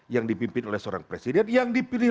yang dipimpin oleh seorang presiden yang dipilih